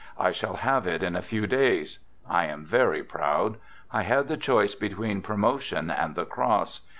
I shall have it in a few days. I am very proud. I had the choice between promotion and the cross.